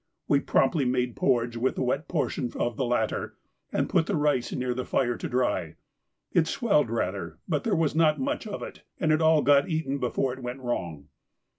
We promptly made porridge with the wet portion of the latter, and put the rice near the fire to dry; it swelled rather, but there was not much of it, and it all got eaten before it went wrong.